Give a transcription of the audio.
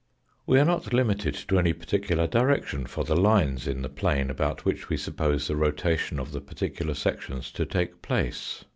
We are not limited to any particular direction for the lines in the plane about which we suppose the rotation of the particular sections to take place.